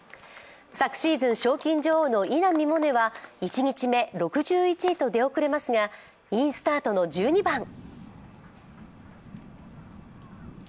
昨シーズンの賞金女王の稲見萌寧は１日目、６１位と出遅れますがインスタートの１２番。